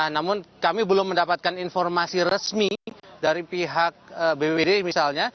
namun kami belum mendapatkan informasi resmi dari pihak bpd misalnya